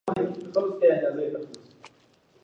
لوستې میندې ماشوم له ککړو ځایونو ساتي.